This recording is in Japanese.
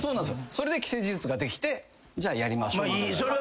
それで既成事実ができてじゃあやりましょうみたいな。